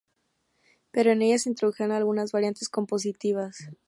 Pero en ella se introdujeron algunas variantes compositivas.